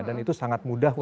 dan itu sangat mudah untuk di